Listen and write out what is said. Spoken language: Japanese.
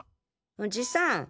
おじさん